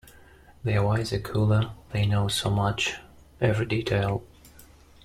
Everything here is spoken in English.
They are wiser, cooler, they know so much, every detail.